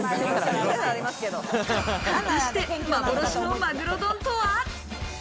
果たして、幻のマグロ丼とは？